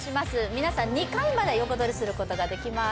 皆さん２回まで横取りすることができます